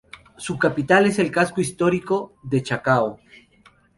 Su capital es el casco histórico de Chacao.